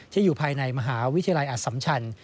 อยู่ภายในมหาวิทยาลัยอสัมชัน